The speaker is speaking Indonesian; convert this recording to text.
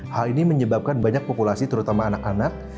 hal ini menyebabkan banyak populasi terutama anak anak